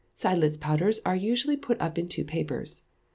Seidlitz powders are usually put up in two papers.